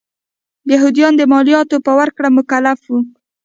یهودیان د مالیاتو په ورکړې مکلف و.